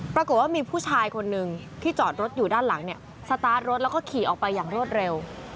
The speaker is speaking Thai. ปรากฏว่ามีผู้ชายคนนึงที่จอดรถอยู่ด้านหลังเนี่ยสตาร์ทรถแล้วก็ขี่ออกไปอย่างรวดเร็ว